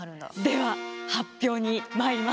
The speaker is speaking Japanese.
では発表にまいります。